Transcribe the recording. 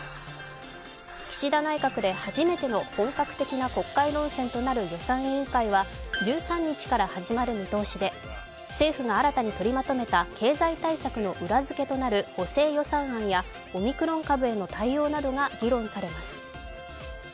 岸田内閣で初めての本格的な国会論戦となる予算委員会は１３日から始まる見通しで、政府が新たに取りまとめた経済対策の裏づけとなる補正予算案やオミクロン株への対応などが議論されます。